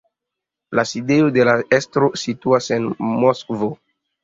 La sidejo de la estro situas en Moskvo.